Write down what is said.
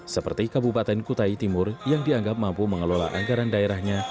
seperti kabupaten kutai timur yang dianggap mampu mengelola anggaran daerahnya